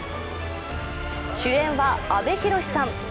主演は阿部寛さん。